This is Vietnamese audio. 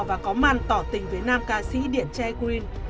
và có màn tỏ tình với nam ca sĩ điển tre green